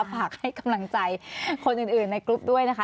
ฝากให้กำลังใจคนอื่นในกรุ๊ปด้วยนะคะ